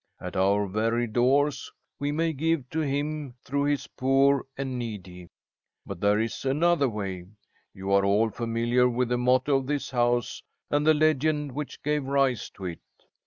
At our very doors we may give to Him, through His poor and needy. "But there is another way. You are all familiar with the motto of this house, and the legend which gave rise to it.